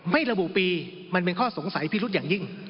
ไม่ระบุปีมันเป็นข้อสงสัยพิรุษอย่างยิ่ง